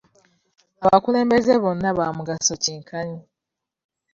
Abakulembeze bonna ba mugaso kye nkanyi.